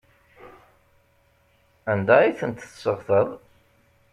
Anda ay ten-tesseɣtaḍ?